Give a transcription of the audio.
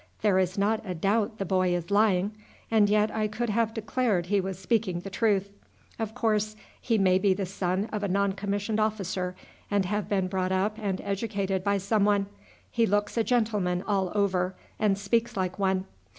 "There is not a doubt the boy is lying, and yet I could have declared he was speaking the truth. Of course he may be the son of a non commissioned officer, and have been brought up and educated by someone. He looks a gentleman all over, and speaks like one.